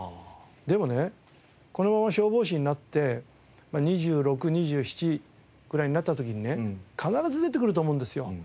でもねこのまま消防士になって２６２７ぐらいになった時にね必ず出てくると思うんですよ